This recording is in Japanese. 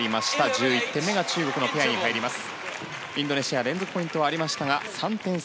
１１点目が中国ペアに入ります。